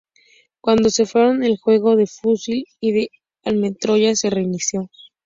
Cuando se fueron, el fuego de fusil y de ametralladoras se reinició.